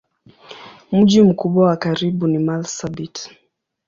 Mji mkubwa wa karibu ni Marsabit.